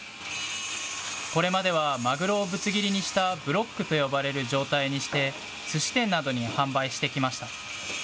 これまではマグロをぶつ切りにしたブロックと呼ばれる状態にして、すし店などに販売してきました。